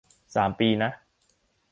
สามปี นะ